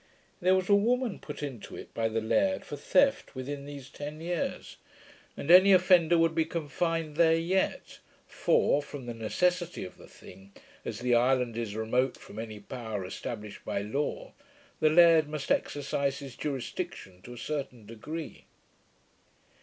There was a woman put into it by the laird, for theft, within these ten years; and any offender would be confined there yet; for, from the necessity of the thing, as the island is remote from any power established by law, the laird must exercise his jurisdiction to a certain degree.